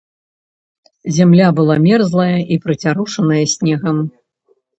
Зямля была мерзлая і прыцярушаная снегам.